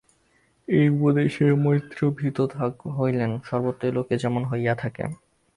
এই উপদেশে মৈত্রেয়ী ভীত হইলেন, সর্বত্রই লোকে যেমন হইয়া থাকে।